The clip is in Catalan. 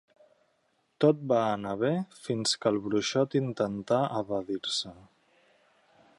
Tot va anar bé fins que el bruixot intentà evadir-se.